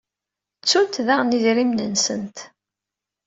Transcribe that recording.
Ttunt daɣen idrimen-nsent?